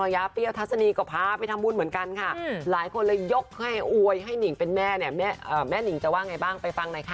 ยาเปรี้ยวทัศนีก็พาไปทำบุญเหมือนกันค่ะหลายคนเลยยกให้อวยให้หนิงเป็นแม่เนี่ยแม่นิงจะว่าไงบ้างไปฟังหน่อยค่ะ